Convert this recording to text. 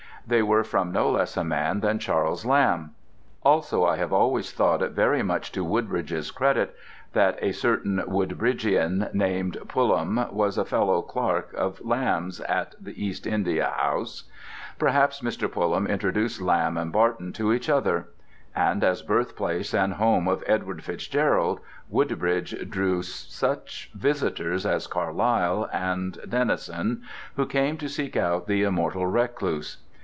They were from no less a man than Charles Lamb. Also I have always thought it very much to Woodbridge's credit that a certain Woodbridgian named Pulham was a fellow clerk of Lamb's at the East India House. Perhaps Mr. Pulham introduced Lamb and Barton to each other. And as birthplace and home of Edward FitzGerald, Woodbridge drew such visitors as Carlyle and Tennyson, who came to seek out the immortal recluse.